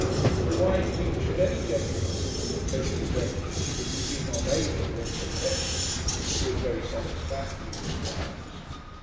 For why, indeed, should any gentleman sit on the Treasury bench if he be not able, when so questioned, to give very satisfactory replies?